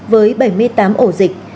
với bảy mươi tám ổ dịch